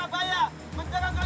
lima tahun terakhir gagal